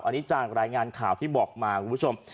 อันนี้จากรายงานข่าวที่บอกมาคุณผู้ชม